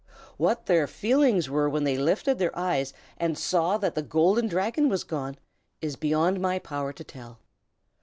What their feelings were when they lifted their eyes and saw that the Golden Dragon was gone, is beyond my power to tell.